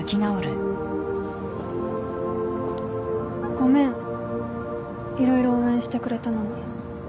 ごめん色々応援してくれたのに。